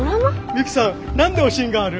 ミユキさん何でおしんがある？